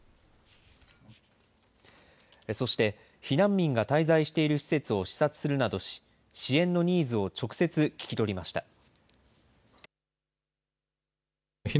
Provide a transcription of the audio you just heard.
そして、避難民が滞在している施設を視察するなどし、支援のニーズを直接聞き取りました。